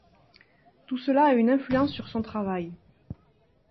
Tout cela a une influence sur son travail.